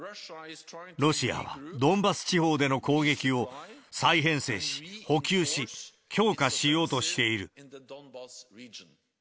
ロシアはドンバス地方での攻撃を再編成し、補給し、強化しようとしている。